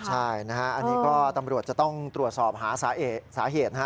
ใช่นะฮะอันนี้ก็ตำรวจจะต้องตรวจสอบหาสาเหตุนะฮะ